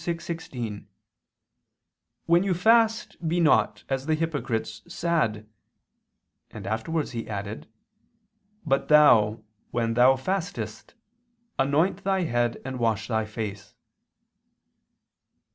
6:16): "When you fast, be not, as the hypocrites, sad," and afterwards He added: "But thou, when thou fastest, anoint thy head and wash thy face."